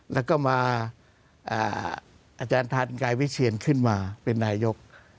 แล้วก็มาอาจารย์ทันกายวิเชียนขึ้นมาเป็นนายก